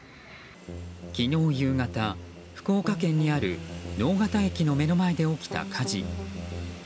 昨日夕方、福岡県にある直方駅の目の前で起きた火事。